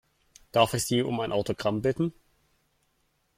Darf ich Sie um ein Autogramm bitten?